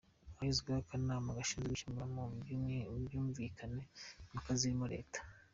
Hashyizweho akanama gashinzwe gukemura mu bwumvikane impaka zirimo Leta.